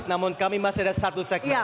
namun kami masih ada satu segmen